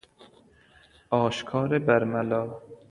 آشکار برملا